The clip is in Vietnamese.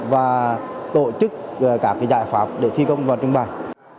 và tổ chức các giải pháp để thi công và trưng bày